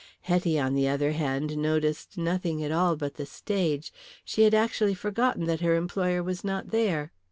Hetty, on the other hand noticed nothing at all but the stage; she had actually forgotten that her employer was not there.